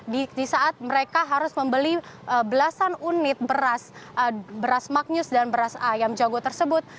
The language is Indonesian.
di saat mereka harus membeli belasan unit beras magnus dan beras ayam jago tersebut